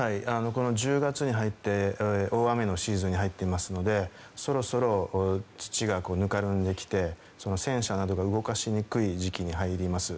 １０月に入って大雨のシーズンに入っていますのでそろそろ、土がぬかるんできて戦車などが動かしにくい時期に入ります。